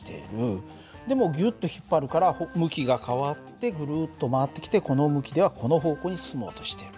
でもギュッと引っ張るから向きが変わってぐるっと回ってきてこの向きではこの方向に進もうとしている。